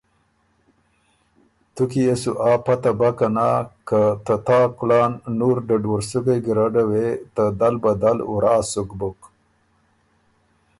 تُو کی يې سو آ پته بَۀ که ته تا کُلان نُور ډدوُرسُکئ ګیرډه وې ته دل بدل ورا سُک بُک۔